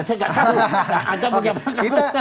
saya nggak tahu